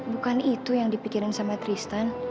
bukan itu yang dipikirin sama tristan